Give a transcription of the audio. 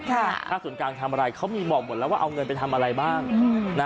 ถ้าส่วนกลางทำอะไรเขามีบอกหมดแล้วว่าเอาเงินไปทำอะไรบ้าง